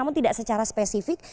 namun tidak secara spesifik